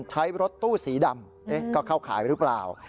ใช้รถตู้สีดำก็เข้าขายหรือเปล่า